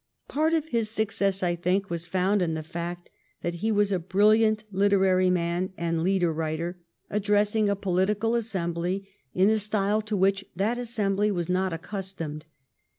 Part of his success, I think, was found in the fact that he was a brilliant liter ary man and leader writer, addressing a political assembly in a style to which that assembly was not accustomed.